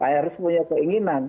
yang harus punya keinginan